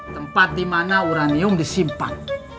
tempat dimana uranium disimpan